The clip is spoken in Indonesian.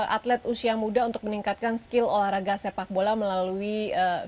atlet usia muda untuk meningkatkan skill olahraga sepak bola melalui ee